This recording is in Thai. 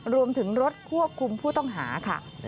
รวมถึงรถควบคุมผู้ต้องหาค่ะ